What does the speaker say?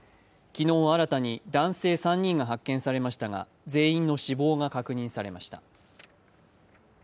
昨日新たに男性３人が発見されましたが、全員の死亡が確認されました。